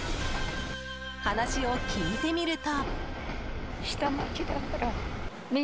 話を聞いてみると。